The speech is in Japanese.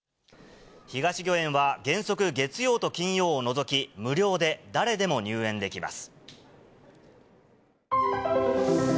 東御苑は、原則、月曜と金曜を除き、無料で、誰でも入園できます。